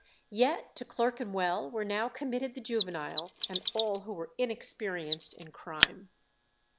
Yet to Clerkenwell were now committed the juveniles, and all who were inexperienced in crime.